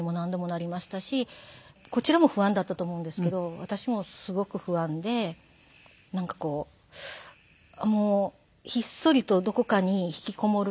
こちらも不安だったと思うんですけど私もすごく不安でなんかこうもうひっそりとどこかに引きこもるか２人で。